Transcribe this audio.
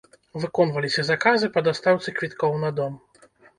Выконваліся заказы па дастаўцы квіткоў на дом.